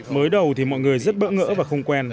mới đầu thì mọi người rất bỡ ngỡ và không quen